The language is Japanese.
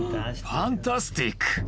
ファンタスティック！